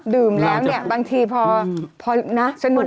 ดื่มแล้วเนี่ยบางทีพอสนุกลำดืม